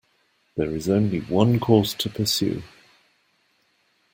There is only one course to pursue.